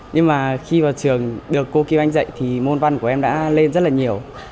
nhưng mà khi vào trường được cô kim anh dạy thì môn văn của em đã lên rất là nhiều